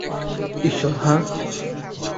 ঈশ্বর, হাহ?